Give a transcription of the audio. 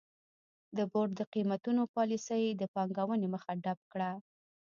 د بورډ د قېمتونو پالیسۍ د پانګونې مخه ډپ کړه.